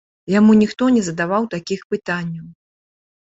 Яму ніхто не задаваў такіх пытанняў!